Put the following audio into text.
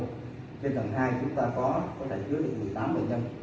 trên tầng hai chúng ta có thể chứa được một mươi tám bệnh nhân